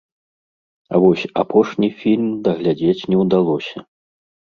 А вось апошні фільм даглядзець не ўдалося.